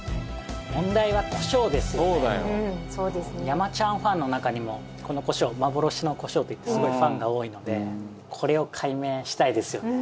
山ちゃんファンの中にもこのコショウ「幻のコショウ」っていってすごいファンが多いのでこれを解明したいですよね。